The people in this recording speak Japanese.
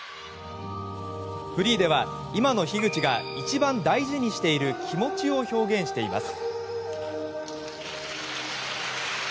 フリーでは、今の樋口が一番大事にしている気持ちを表現しています。